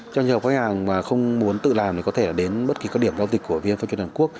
trong trường hợp khách hàng mà không muốn tự làm thì có thể là đến bất kỳ các điểm giao dịch của vnptq